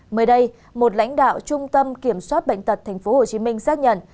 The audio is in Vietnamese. mới đây một lãnh đạo trung tâm kiểm soát bệnh tật tp hcm xác nhận